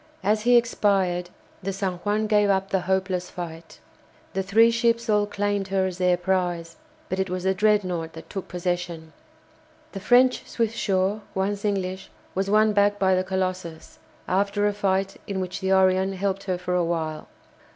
As he expired the "San Juan" gave up the hopeless fight. The three ships all claimed her as their prize, but it was the "Dreadnought" that took possession. The French "Swiftsure," once English, was won back by the "Colossus," after a fight in which the "Orion" helped for a while.